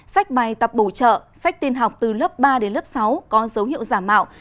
sách bài tập bổ trợ sách tiên học từ lớp ba đến lớp sáu có dấu hiệu giả mạo